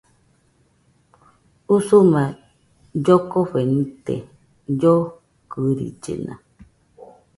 Usuma llokofe nite, llokɨrillena